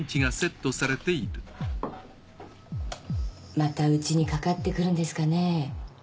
またうちにかかってくるんですかねぇ？